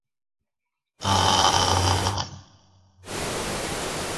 The district is located in the Precarpathian region of Ukraine.